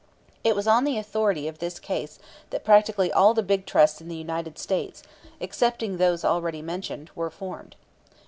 It was on the authority of this case that practically all the big trusts in the United States, excepting those already mentioned, were formed.